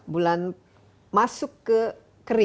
bulan masuk ke kering